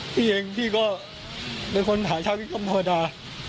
พี่เองพี่ก็เป็นคนถามวิทยาลับนิวสมภาษี